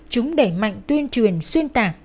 chúng để mạnh tuyên truyền xuyên tạc